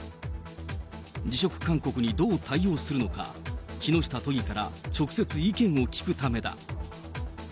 辞職勧告にどう対応するのか、木下都議から直接、意見を聞くためだ。